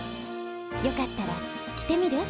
よかったら着てみる？